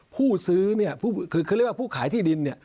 ผู้ซื้อคือรีบว่าผู้ขายที่ดิน